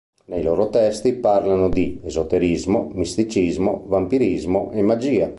Nei loro testi parlano di esoterismo, misticismo, vampirismo e magia.